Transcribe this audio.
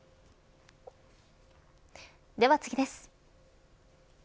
では次です。